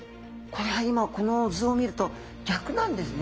これが今この図を見ると逆なんですね。